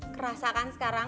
kerasa kan sekarang